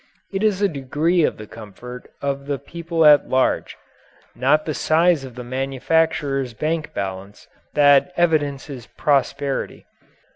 It is the degree of the comfort of the people at large not the size of the manufacturer's bank balance that evidences prosperity.